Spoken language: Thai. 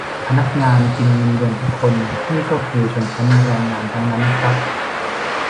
พนักงานกินเงินเดือนทุกคนนี่ก็คือชนชั้นแรงงานทั้งนั้นนะครับ